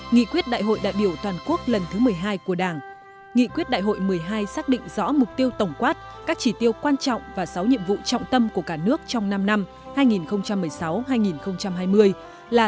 nghị quyết đại hội một mươi hai xác định rõ mục tiêu tổng quát các chỉ tiêu quan trọng và sáu nhiệm vụ trọng tâm của cả nước trong năm năm hai nghìn một mươi sáu hai nghìn hai mươi là